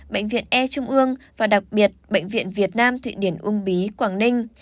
bệnh viện e trung ương và đặc biệt bệnh viện việt nam thụy điển uông bí quảng ninh